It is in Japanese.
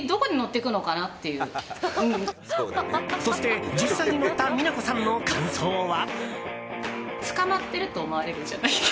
そして、実際に乗った三奈子さんの感想は。